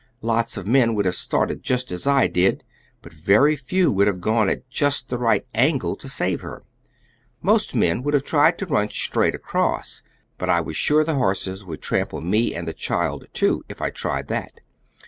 Lots of men would have started just as I did, but very few would have gone at just the right angle to save her. Most men would have tried to run straight across, but I was sure the horses would trample me and the child, too, if I tried that.